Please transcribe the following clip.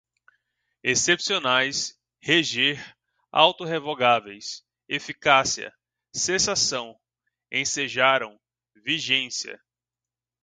excepcionais, reger, auto-revogáveis, eficácia, cessação, ensejaram, vigência